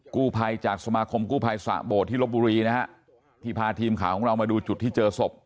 กู้ภัยจากสมาคมกู้ภัยสะโบดที่ลบบุรีนะฮะที่พาทีมข่าวของเรามาดูจุดที่เจอศพ